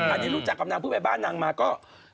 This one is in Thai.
อันนี้รู้จักกับนางเพื่อไปบ้านนางมาก็